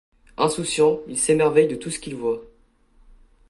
Insouciant, il s'émerveille de tout ce qu'il voit.